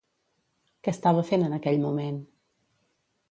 Què estava fent en aquell moment?